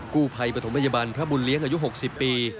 กู้ภัยปฐมพยาบาลพระบุญเลี้ยงอายุ๖๐ปี